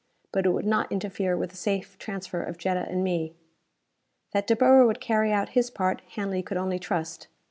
But it would not interfere with the safe transfer of Jetta and me. That De Boer would carry out his part, Hanley could only trust.